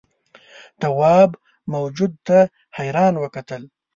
تواب موجود ته حیران وکتل.